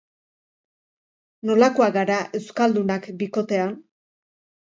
Nolakoak gara euskaldunak bikotean?